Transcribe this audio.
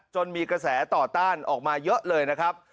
มีกระแสต่อต้านออกมาเยอะเลยนะครับ